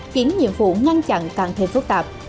khiến nhiệm vụ ngăn chặn càng thêm phức tạp